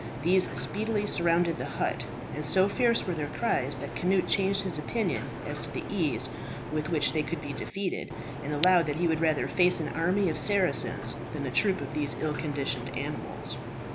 These speedily surrounded the hut, and so fierce were their cries, that Cnut changed his opinion as to the ease with which they could be defeated, and allowed that he would rather face an army of Saracens than a troop of these ill conditioned animals.